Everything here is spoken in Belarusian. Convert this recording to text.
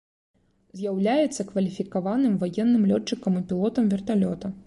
З'яўляецца кваліфікаваным ваенным лётчыкам і пілотам верталёта.